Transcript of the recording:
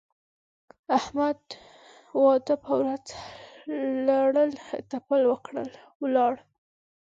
احمد د واده په ورځ لړل تپل وکړل؛ ولاړ.